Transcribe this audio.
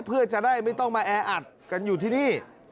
เพื่อจะได้ไม่ต้องมาแออัดกันอยู่ที่นี่